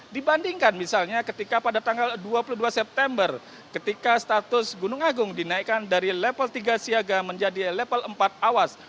dibandingkan misalnya ketika pada tanggal dua puluh dua september ketika status gunung agung dinaikkan dari level tiga siaga menjadi level empat awas